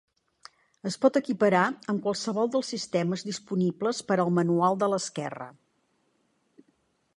Es pot equipar amb qualsevol dels sistemes disponibles per al manual de l'esquerra.